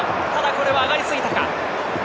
これは上がりすぎたか。